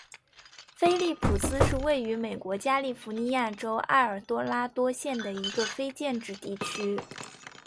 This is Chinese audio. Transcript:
菲利普斯是位于美国加利福尼亚州埃尔多拉多县的一个非建制地区。